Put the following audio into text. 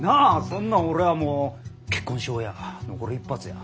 そんなん俺はもう結婚しようやのこれ一発や！